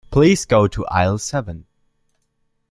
Please go to aisle seven.